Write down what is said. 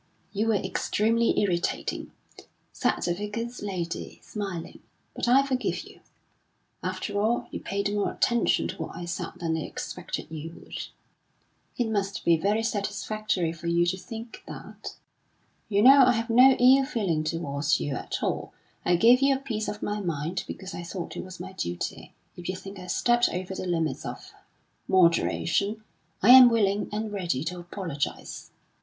"You were extremely irritating," said the Vicar's lady, smiling, "but I forgive you. After all, you paid more attention to what I said than I expected you would." "It must be very satisfactory for you to think that." "You know I have no ill feeling towards you at all. I gave you a piece of my mind because I thought it was my duty. If you think I stepped over the limits of moderation, I am willing and ready to apologise."